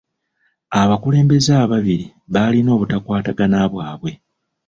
Abakulembeze ababiri baalina obutakwatagana bwabwe.